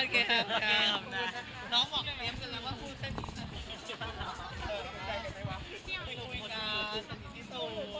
คุณคุยกันสนิทที่สูญ